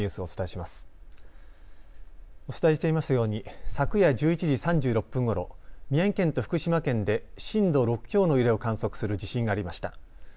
お伝えしていますように昨夜１１時３６分ごろ、宮城県と福島県で震度６強の揺れを観測する地震がありました。